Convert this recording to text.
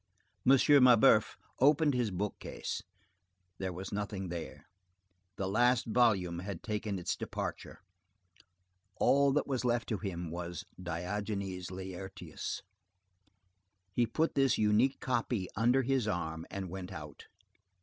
M. Mabeuf opened his bookcase; there was nothing there. The last volume had taken its departure. All that was left to him was Diogenes Laertius. He put this unique copy under his arm, and went out.